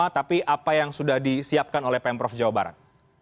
tapi apa yang sudah disiapkan oleh pemprov jawa barat